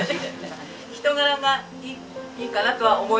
人柄がいいかなとは思います。